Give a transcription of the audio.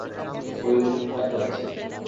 ঐ লোকটা করেছে।